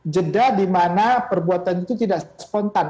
jeda dimana perbuatan itu tidak spontan